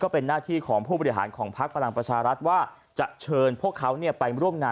พิธีของผู้บริหารของภปลังประชารัฐว่าจะเชิญพวกเขา